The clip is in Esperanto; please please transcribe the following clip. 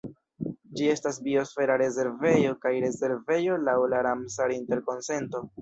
Ĝi estas biosfera rezervejo kaj rezervejo laŭ la Ramsar-Interkonsento.